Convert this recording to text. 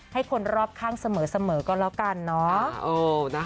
ให้คนรอบข้างเสมอก็แล้วกันเนาะ